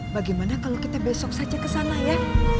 bagaimana kalau kita besok saja ke sana ya